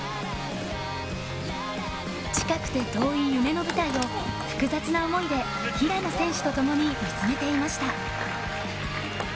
近くて遠い夢の舞台を複雑な思いで平野選手と共に見つめていました。